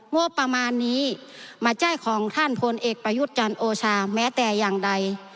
งบประมาณนี้มาแจ้งของท่านพลเอกประยุทธ์จันทร์โอชาแม้แต่อย่างใด